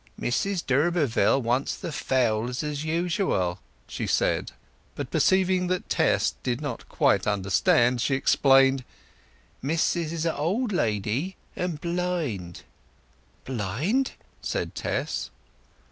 "Mrs d'Urberville wants the fowls as usual," she said; but perceiving that Tess did not quite understand, she explained, "Mis'ess is a old lady, and blind." "Blind!" said Tess.